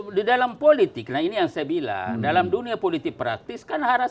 oh di dalam politik lain yang saya bilang dalam dunia politik praktisne karena adalah nya awak